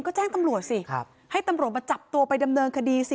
ก็แจ้งตำรวจสิให้ตำรวจมาจับตัวไปดำเนินคดีสิ